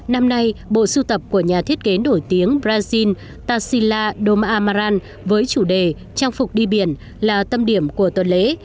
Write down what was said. năm nay bộ sưu tập của nhà thiết kế nổi tiếng brazil tarsila do marmaran với chủ đề trang phục đi biển là tâm điểm của tuần lễ